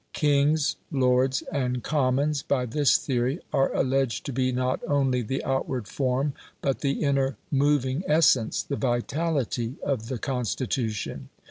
Kings, lords, and commons, by this theory, are alleged to be not only the outward form, but the inner moving essence, the vitality of the Constitution.